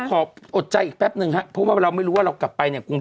โทษใจอีกแป๊บนึงครับเพราะว่าเราไม่รู้ว่าเรากลับไป